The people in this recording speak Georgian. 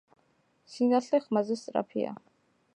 სინათლე ხმაზე სწაფია